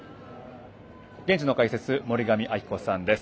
現地の解説、森上亜希子さんです。